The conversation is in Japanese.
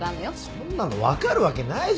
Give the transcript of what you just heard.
そんなの分かるわけないじゃない。